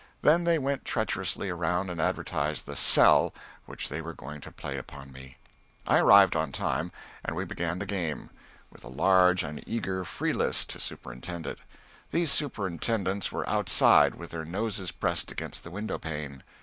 Then they went treacherously around and advertised the "sell" which they were going to play upon me. I arrived on time, and we began the game with a large and eager free list to superintend it. These superintendents were outside, with their noses pressed against the window pane.